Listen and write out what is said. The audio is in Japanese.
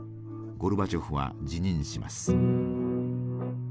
ゴルバチョフは辞任します。